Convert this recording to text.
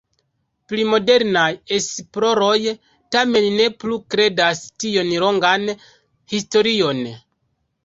Pli modernaj esploroj tamen ne plu kredas tiom longan historion.